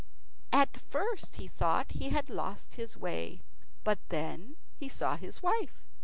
At first he thought he had lost his way. But then he saw his wife.